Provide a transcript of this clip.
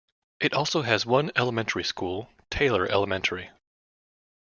It also has one elementary school, Taylor Elementary.